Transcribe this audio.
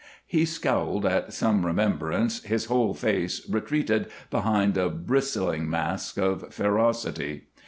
He scowled at some remembrance, his whole face retreated behind a bristling mask of ferocity.